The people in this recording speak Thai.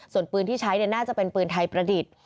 ส่วนปืนที่ใช้น่าจะเป็นปืนไทยประดิษฐ์